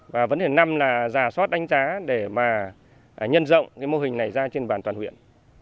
và vấn đề năm là giả soát đánh giá để nhân rộng mô hình này ra trên bàn toàn huyện